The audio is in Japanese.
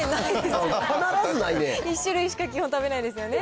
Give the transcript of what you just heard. １種類しか基本食べないですよね。